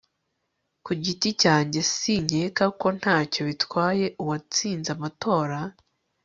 ku giti cyanjye, sinkeka ko ntacyo bitwaye uwatsinze amatora